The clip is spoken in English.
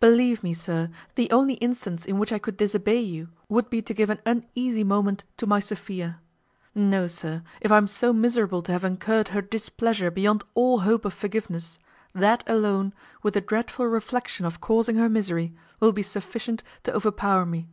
Believe me, sir, the only instance in which I could disobey you would be to give an uneasy moment to my Sophia. No, sir, if I am so miserable to have incurred her displeasure beyond all hope of forgiveness, that alone, with the dreadful reflection of causing her misery, will be sufficient to overpower me.